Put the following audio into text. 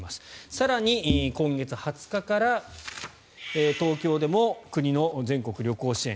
更に、今月２０日から東京でも国の全国旅行支援